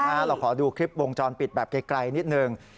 เราขอดูคลิปวงจรปิดแบบไกลนิดนึง